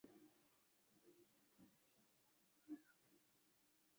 wasiwasi wake wa kuporomoka ama kutetereka kwa uchumi katika nchi zinazotumia sarafu